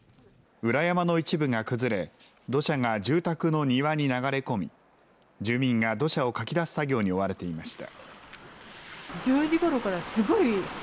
裏山の一部が崩れ、土砂が住宅の庭に流れ込み、住民が土砂をかき出す作業に追われていました。